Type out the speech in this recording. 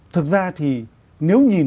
thực ra thì nếu nhìn